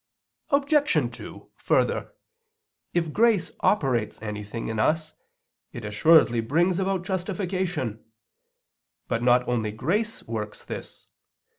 Obj. 2: Further, if grace operates anything in us it assuredly brings about justification. But not only grace works this.